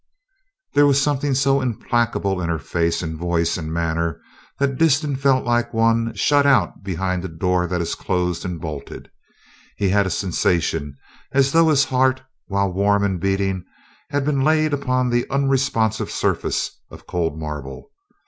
There was something so implacable in her face and voice and manner that Disston felt like one shut out behind a door that is closed and bolted; he had a sensation as though his heart while warm and beating had been laid upon the unresponsive surface of cold marble.